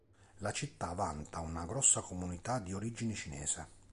La città vanta una grossa comunità di origine cinese.